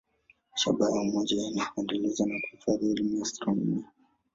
Shabaha ya umoja ni kuendeleza na kuhifadhi elimu ya astronomia.